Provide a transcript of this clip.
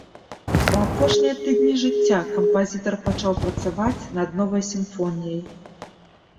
У апошнія тыдні жыцця кампазітар пачаў працаваць над новай сімфоніяй.